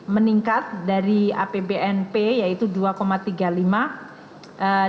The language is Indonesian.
meningkat dari apbnp yaitu rp dua tiga puluh lima triliun